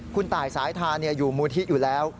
คุณตายสายทาอยู่มูลที่อยู่แล้ว